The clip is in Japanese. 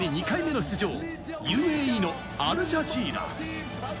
２回目の出場、ＵＡＥのアルジャジーラ。